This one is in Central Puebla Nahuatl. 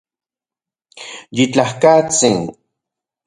Yitlajkatsin